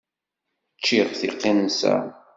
Ččiɣ tiqinsa.